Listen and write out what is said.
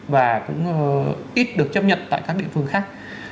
và cũng ít được chấp nhận tại các địa phương khác